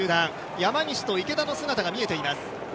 山西と池田の姿が見えています。